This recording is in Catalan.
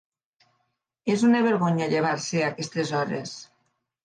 És una vergonya llevar-se a aquestes hores!